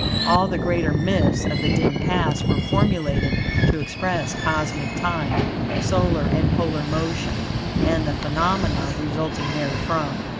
All the greater myths of the dim past were formulated to express cosmic time, solar and polar motion, and the phenomena resulting therefrom.